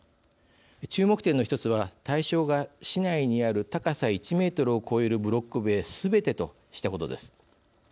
注目点の１つは対象が、市内にある高さ１メートルを超えるブロック塀すべてとしたことです。